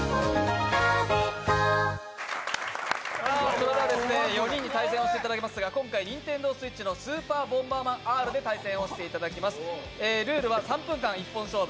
それでは４人に対戦していただきますが、今回、ＮｉｎｔｅｎｄｏＳｗｉｔｃｈの「スーパーボンバーマンＲ」で対戦をしていていただきます。